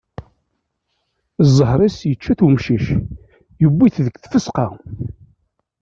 Ẓẓher-is yečča-t umcic, yewwi-t deg tfesqa.